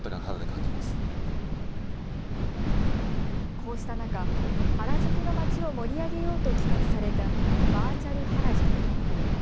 こうした中、原宿の街を盛り上げようと企画されたバーチャル原宿。